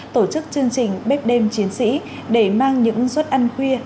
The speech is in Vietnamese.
tổ chức chương trình bếp đêm chiến sĩ để mang những suất ăn khuya